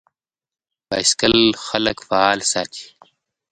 بایسکل خلک فعال ساتي.